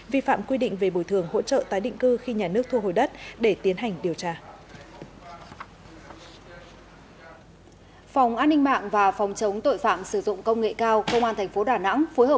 vi phạm quy định về bồi thường hỗ trợ tái định cư khi nhà nước thu hồi đất để tiến hành điều tra